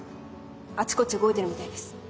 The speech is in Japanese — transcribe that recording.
あちこち動いてるみたいです。